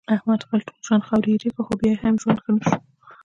احمد خپل ټول ژوند خاورې ایرې کړ، خو بیا یې هم ژوند ښه نشو.